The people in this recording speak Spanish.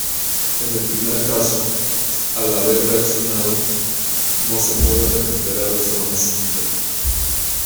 En el primer caso, al haber reaccionado, no se puede recuperar de forma simple.